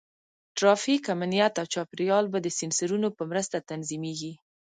ټرافیک، امنیت، او چاپېریال به د سینسرونو په مرسته تنظیمېږي.